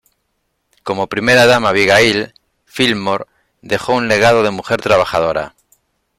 Como Primera Dama Abigail Fillmore dejó un legado de mujer trabajadora.